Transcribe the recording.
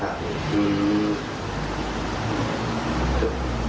อืม